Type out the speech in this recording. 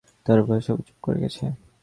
তার ভয়ে সবাই চুপ করে গেছে।